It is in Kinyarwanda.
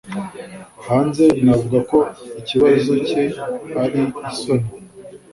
Hanze navuga ko ikibazo cye ari isoni